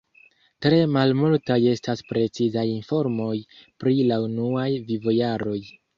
Tre malmultaj estas precizaj informoj pri la unuaj vivojaroj.